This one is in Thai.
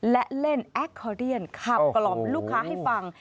และเล่นแอคคอเรียนขับกล่อมลูกค้าให้ฟัง